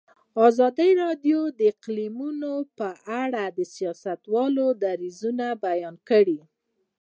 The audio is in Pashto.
ازادي راډیو د اقلیتونه په اړه د سیاستوالو دریځ بیان کړی.